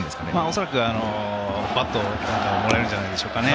恐らくバットか何かもらえるんじゃないでしょうかね。